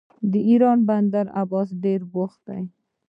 د ایران بندر عباس ډیر بوخت دی.